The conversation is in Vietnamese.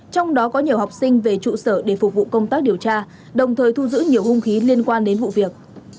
trong đó có nhiều học sinh về trụ sở để phục vụ công tác điều tra đồng thời thu giữ nhiều hung khí liên quan đến vụ việc